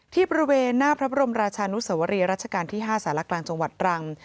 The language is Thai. ที่บริเวณหน้าพระบรมราชานุสวรีรัชกาลที่๕สารกลางจังหวัดตรัง